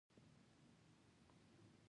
د یو خدای سره یې دوه نور غبرګ کړي.